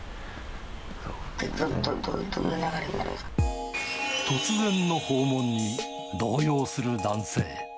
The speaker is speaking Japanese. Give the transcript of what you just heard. ど、ど、ど、突然の訪問に動揺する男性。